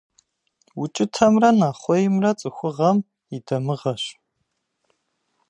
УкIытэмрэ нэхъуеймрэ цIыхугъэм и дамыгъэщ.